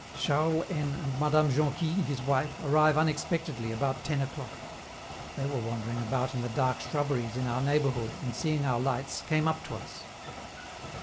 Charles N and Madame Jonquille, his wife, arrived unexpectedly about ten o'clock. (They were wandering about in the dark shrubberies in our neighborhood, and, seeing our lights, came up to us.)